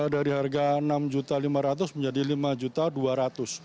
dari harga rp enam lima ratus menjadi rp lima dua ratus